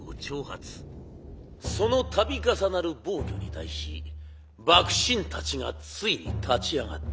その度重なる暴挙に対し幕臣たちがついに立ち上がった。